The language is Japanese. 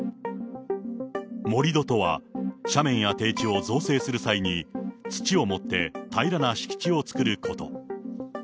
盛り土とは、斜面や低地を造成する際に土を盛って平らな敷地を作ること。